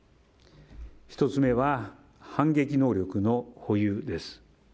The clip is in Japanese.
１つ目は反撃能力の保有です。